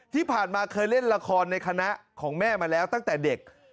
ที่ผ่านมาเคยเล่นละครในคณะของแม่มาแล้วตั้งแต่เด็ก